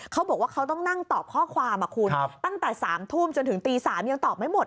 เขาบอกว่าเขาต้องนั่งตอบข้อความคุณตั้งแต่๓ทุ่มจนถึงตี๓ยังตอบไม่หมด